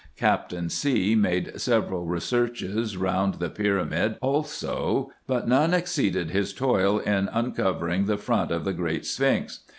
Captain C. made several researches round the pyramids also, but none exceeded his toil in uncovering the front of the great sphinx.